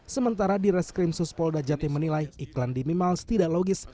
sementara di reskrim suspolda jati menilai iklan di mimiles tidak logis